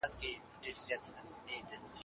دا د عبرت لوی درس ګڼم